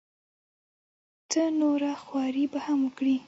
څه نوره خواري به هم وکړي.